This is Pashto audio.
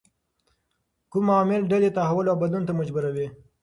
کوم عوامل ډلې تحول او بدلون ته مجبوروي؟